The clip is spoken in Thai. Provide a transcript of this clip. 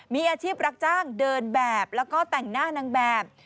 มีอาชีพรับจ้างเดินแบบแล้วก็แต่งหน้านางแบบ